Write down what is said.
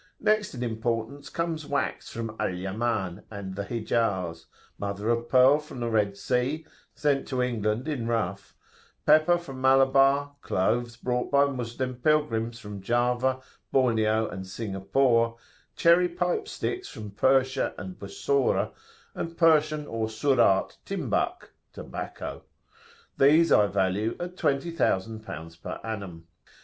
Next in importance comes wax from Al Yaman and the Hijaz, mother of pearl[FN#30] from the Red Sea, sent to England in rough, pepper from Malabar, cloves brought by Moslem pilgrims from Java, Borneo, and Singapore,[FN#31] cherry pipe sticks from Persia and Bussora, and Persian or Surat 'Timbak' (tobacco). These I value at L20,000 per annum.